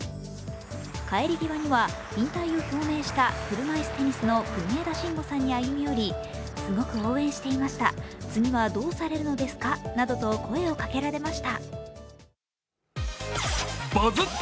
帰り際には、引退を表明した車いすテニスの国枝慎吾さんに歩み寄り、すごく応援していました、次はどうされるのですかなどと声をかけられました。